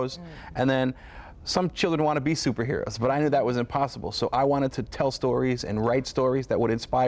แล้วก็จริงจังกับมันมากเลยจนยึดเป็นอาชีพเลย